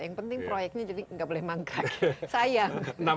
yang penting proyeknya jadi nggak boleh mangga sayang